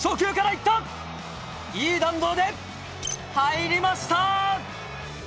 いい弾道で、入りました。